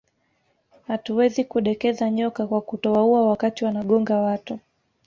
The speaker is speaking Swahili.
Hatuwezi kudekeza nyoka kwa kutowaua wakati wanagonga watu